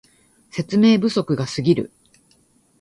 説明不足がすぎる